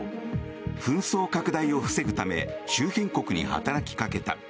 紛争拡大を防ぐため周辺国に働きかけた。